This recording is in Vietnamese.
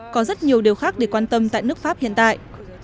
có rất nhiều điều khác để quan tâm tại nước pháp hiện tại